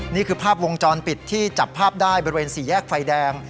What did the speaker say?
นี่คือภาพวงจรปิดที่จับภาพได้บริเวณสี่แยกไฟแดง